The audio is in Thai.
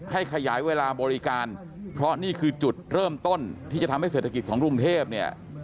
ขยายเวลาบริการเพราะนี่คือจุดเริ่มต้นที่จะทำให้เศรษฐกิจของกรุงเทพเนี่ย